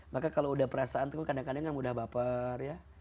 maka kalau udah perasaan tuh kadang kadang kan mudah baper ya